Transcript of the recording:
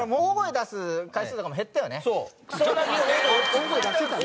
大声出してたの？